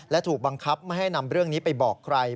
และถูกบังคับไม่ให้นำเรื่องนี้ไปบอกใคร